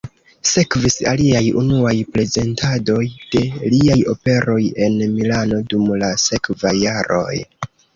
Sekvis aliaj unuaj prezentadoj de liaj operoj en Milano dum la sekvaj jaroj.